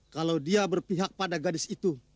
kalau dia berpihak pada gadis itu